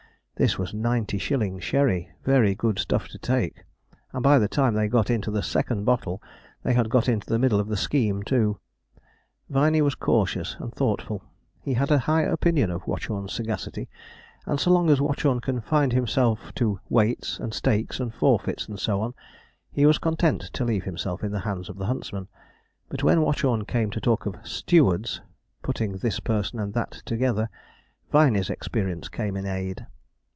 This was ninety shilling sherry very good stuff to take; and, by the time they got into the second bottle, they had got into the middle of the scheme too. Viney was cautious and thoughtful. He had a high opinion of Watchorn's sagacity, and so long as Watchorn confined himself to weights, and stakes, and forfeits, and so on, he was content to leave himself in the hands of the huntsman; but when Watchorn came to talk of 'stewards,' putting this person and that together, Viney's experience came in aid.